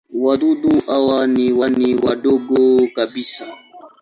Wadudu hawa ni wadogo kabisa.